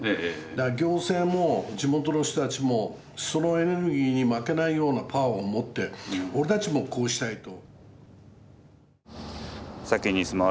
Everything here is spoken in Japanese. だから行政も地元の人たちもそのエネルギーに負けないようなパワーを持って俺たちもこうしたいと。